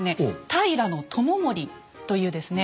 平知盛というですね